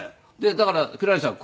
だから黒柳さん